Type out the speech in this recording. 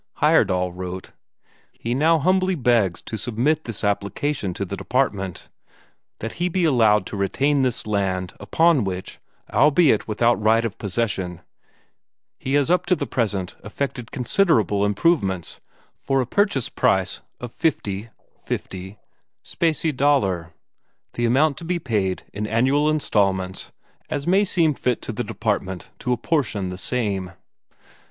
Heyerdahl wrote: "He now humbly begs to submit this application to the Department: that he be allowed to retain this land, upon which, albeit without right of possession, he has up to this present effected considerable improvements, for a purchase price of 50 fifty Speciedaler, the amount to be paid in annual instalments as may seem fit to the Department to apportion the same."